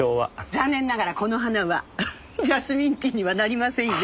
残念ながらこの花はジャスミンティーにはなりませんよ！